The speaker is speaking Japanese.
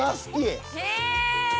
へえ！